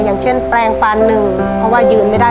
อย่างเช่นแปลงฟันหนึ่งเพราะว่ายืนไม่ได้